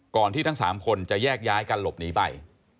ที่ทั้ง๓คนจะแยกย้ายกันหลบหนีไป